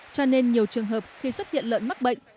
cho nên nhiều trường hợp khi xuất hiện lợn mắc bệnh